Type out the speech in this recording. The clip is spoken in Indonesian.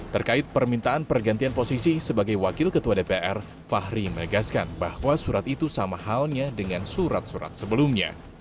terkait permintaan pergantian posisi sebagai wakil ketua dpr fahri menegaskan bahwa surat itu sama halnya dengan surat surat sebelumnya